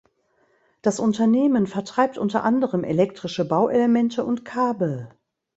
Das Unternehmen vertreibt unter anderem elektrische Bauelemente und Kabel.